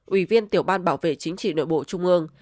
ủy viên tiểu ban bảo vệ chính trị nội bộ trung ương